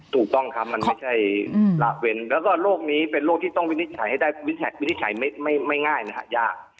ถูกต้องครับมันไม่ใช่ละเว้นแล้วก็โรคนี้เป็นโรคที่ต้องวินิจฉัยให้ได้วินิจฉัยไม่ง่ายนะฮะยาก